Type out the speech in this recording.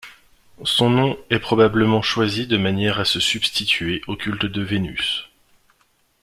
Son nom est probablement choisi de manière à se substituer au culte de Vénus.